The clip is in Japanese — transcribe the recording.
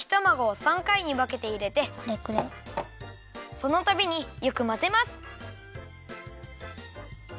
そのたびによくまぜます。